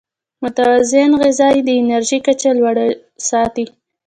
متوازن غذا د انرژۍ کچه لوړه ساتي.